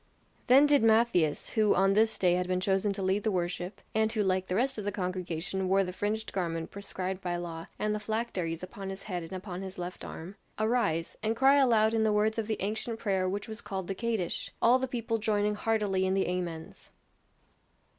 Then did Matthias who on this day had been chosen to lead the worship, and who like the rest of the congregation wore the fringed garment prescribed by law and the phylacteries upon his head and upon his left arm arise, and cry aloud in the words of the ancient prayer which was called the Kadish; all the people joining heartily in the Amens.